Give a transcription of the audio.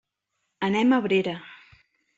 Anem a Abrera.